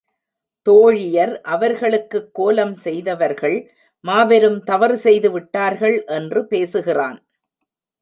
தோழியர் அவர்களுக்குக் கோலம் செய்தவர்கள் மாபெரும் தவறு செய்து விட்டார்கள் என்று பேசுகிறான்.